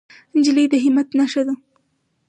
نجلۍ د همت نښه ده.